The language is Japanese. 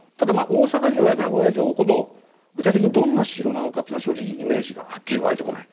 大坂城や名古屋城ほど具体的にどんな城なのかっていうのは正直イメージがはっきり湧いてこない。